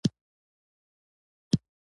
ولي دي حواس پر ځای نه دي ؟